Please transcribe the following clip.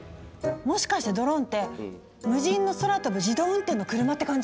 もしかしてドローンって無人の空飛ぶ自動運転の車って感じ？